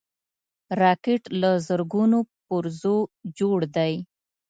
راکټ له زرګونو پرزو جوړ دی